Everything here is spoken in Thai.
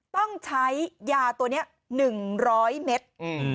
ต้องใช้ยาตัวนี้๑๐๐เมตร